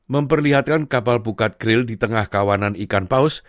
memperlihatkan kapal bukat kril di tengah kawanan ikan paus